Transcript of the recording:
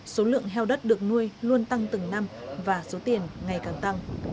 số lượng heo đất được nuôi luôn tăng từng năm và số tiền ngày càng tăng